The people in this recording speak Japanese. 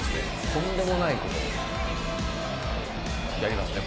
とんでもない事をやりますね」